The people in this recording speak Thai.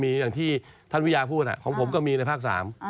มีอย่างที่ท่านวิทยาพูดของผมก็มีในภาค๓